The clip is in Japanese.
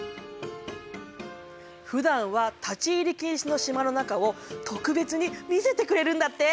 ふだんは立ち入り禁止の島の中を特別に見せてくれるんだって。